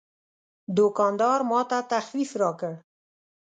دوکاندار ماته تخفیف راکړ.